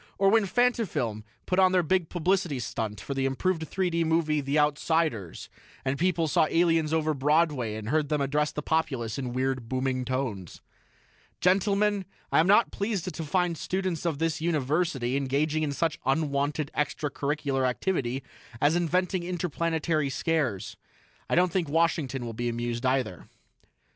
Or when Fantafilm put on their big publicity stunt for the improved 3 D movie, 'The Outsiders', and people saw the aliens over Broadway and heard them address the populace in weird, booming tones. "Gentlemen, I am not pleased to find students of this University engaging in such unwanted extra curricular activity as inventing interplanetary scares. I don't think Washington will be amused, either."